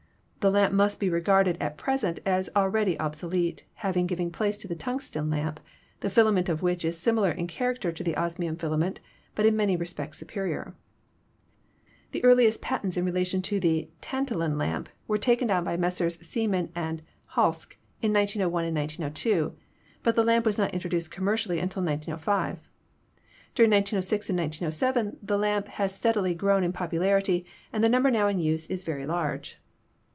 The lamp must be regarded at present as al ready obsolete, having given place to the tungsten lamp, the filament of which is similar in character to the osmium filament, but in many respects superior. "The earliest patents in relation to the tantalun lamp were taken out by Messrs. Siemens and Halske in 1901 and 1902, but the lamp was not introduced commercially until 1905. During 1906 and 1907 the lamp has steadily grown in popularity, and the number now in use is very large.